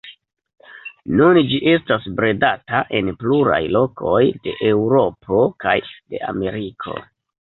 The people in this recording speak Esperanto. Nun ĝi estas bredata en pluraj lokoj de Eŭropo kaj de Ameriko.